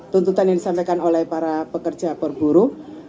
tuntutan yang disampaikan oleh para pekerja perburu